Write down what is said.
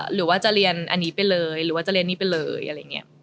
หรือว่าจะเรียนอันนี้ไปเลยหรือว่าจะเรียนนี่ไปเลย